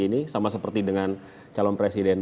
ini sama seperti dengan calon presiden